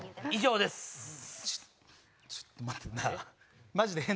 ちょっと待ってなぁ？